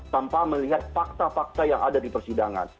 tanpa melihat fakta fakta yang ada di persidangan